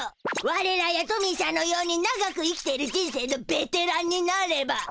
われらやトミーしゃんのように長く生きている人生のベテランになれば。